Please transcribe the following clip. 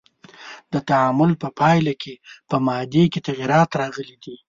د تعامل په پایله کې په مادې کې تغیرات راغلی دی.